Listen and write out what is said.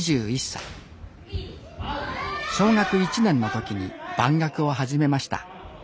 小学１年の時に番楽を始めました。